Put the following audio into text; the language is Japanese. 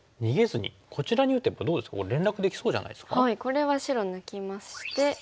これは白抜きまして。